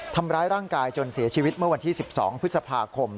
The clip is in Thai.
ทำร้ายร่างกายจนเสียชีวิตเมื่อวันที่๑๒พฤษภาคม